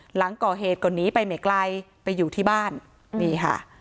หลังก่อเหตุก็หนีไปไม่ไกลไปอยู่ที่บ้านนี่ค่ะ